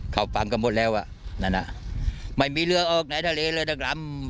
ปังกันหมดแล้วอ่ะนั่นอ่ะไม่มีเรือออกในทะเลเลยนะครับ